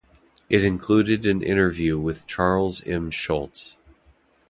It included an interview with Charles M. Schulz.